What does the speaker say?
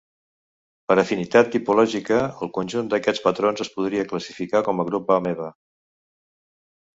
Per afinitat tipològica, el conjunt d'aquests patrons es podria classificar com a grup ameba.